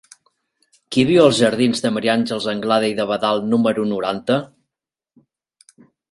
Qui viu als jardins de Maria Àngels Anglada i d'Abadal número noranta?